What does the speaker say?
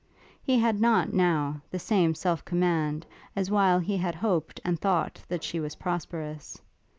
He had not, now, the same self command as while he had hoped and thought that she was prosperous.